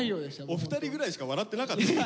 お二人ぐらいしか笑ってなかったよ。